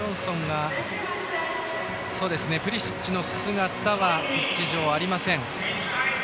プリシッチの姿はピッチ上、ありません。